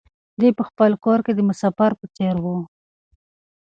دی په خپل کور کې د مسافر په څېر و.